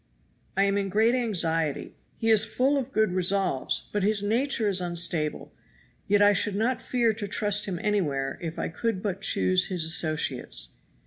I am in great anxiety; he is full of good resolves, but his nature is unstable, yet I should not fear to trust him anywhere if I could but choose his associates.